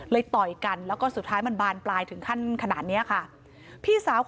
ต่อยกันแล้วก็สุดท้ายมันบานปลายถึงขั้นขนาดนี้ค่ะ